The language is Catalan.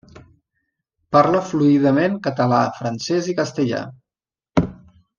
Parla fluidament català, francès i castellà.